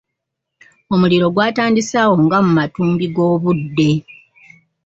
Omuliro gwatandise awo nga mu matumbi g'obudde.